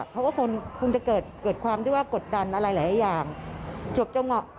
เขาก็คงจะเกิดความที่ว่ากดดันอะไรหลายอย่างจบจังหวะ